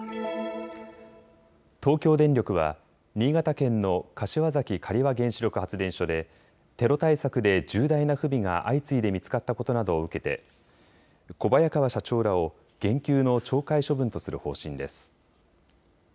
東京電力は新潟県の柏崎刈羽原子力発電所でテロ対策で重大な不備が相次いで見つかったことなどを受けて小早川社長らを減給の懲戒処分とする方針です。